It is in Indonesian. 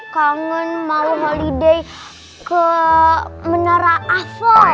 kangen mau holiday ke menara avoy